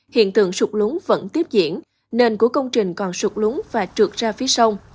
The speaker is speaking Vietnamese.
hiện tượng sụt lúng vẫn tiếp diễn nền của công trình còn sụt lúng và trượt ra phía sông